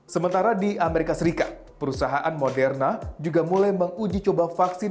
sementara di amerika serikat perusahaan moderna juga mulai menguji coba vaksin